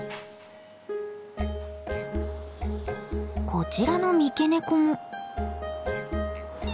こちらの三毛猫も。